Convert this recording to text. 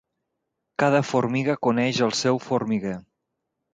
Cada formiga coneix el seu formiguer.